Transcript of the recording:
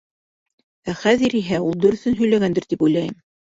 Ә хәҙер иһә ул дөрөҫөн һөйләгәндер, тип уйлайым.